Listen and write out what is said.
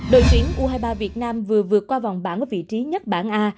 đội tuyển u hai mươi ba việt nam vừa vượt qua vòng bảng ở vị trí nhất bảng a